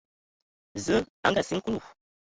Zǝə a ngaasiŋ Kulu.